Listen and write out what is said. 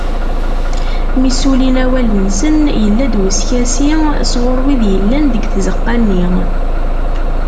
Mi ssulin awal-nsen, yella-d uskasi sɣur wid yellan deg tzeqqa-nni.